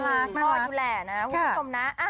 น่ารัก